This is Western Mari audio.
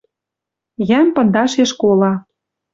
Йӓм пындашеш кола.